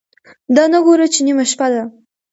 دا نه ګوري چې نیمه شپه ده،